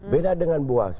beda dengan boaz